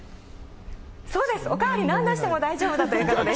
そうです、お代わり何度しても大丈夫ということです。